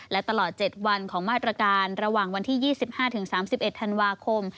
และตลอด๗วันของมาตรการระหว่างวันที่๒๕๓๑ธันวาคม